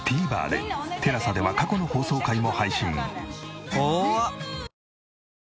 ＴＥＬＡＳＡでは過去の放送回も配信。